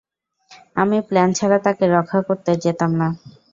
আমি প্ল্যান ছাড়া তাকে রক্ষা করতে যেতাম না।